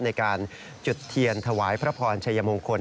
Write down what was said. ในการจุดเทียนถวายพระพรชัยมงคล